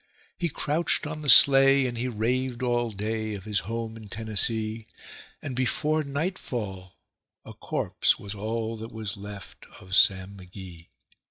He crouched on the sleigh, and he raved all day of his home in Tennessee; And before nightfall a corpse was all that was left of Sam McGee.